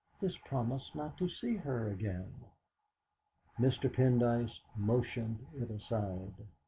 "This promise not to see her again." Mr. Pendyce motioned it aside.